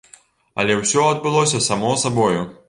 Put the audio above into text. Але ўсё адбылося само сабою.